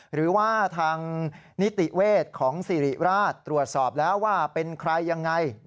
หรือว่าทางนิติเวชของสิริราชตรวจสอบแล้วว่าเป็นใครยังไง